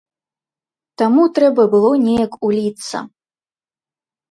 Таму трэба было неяк уліцца.